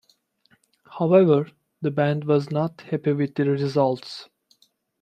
However, the band was not happy with the results.